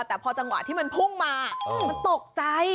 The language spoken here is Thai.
แต่พอจังหวะที่มันพุ่งมามันตกใจ